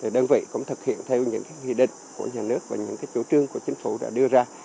đơn vị cũng thực hiện theo những nghị định của nhà nước và những chủ trương của chính phủ đã đưa ra